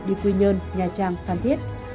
đi quy nhơn nha trang phan thiết